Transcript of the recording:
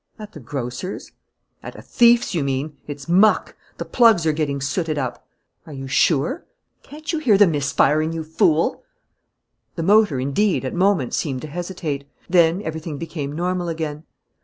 "At the grocer's." "At a thief's, you mean. It's muck. The plugs are getting sooted up." "Are you sure?" "Can't you hear the misfiring, you fool?" The motor, indeed, at moments seemed to hesitate. Then everything became normal again.